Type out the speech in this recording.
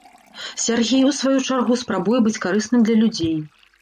Сяргей, у сваю чаргу, спрабуе быць карысным для людзей.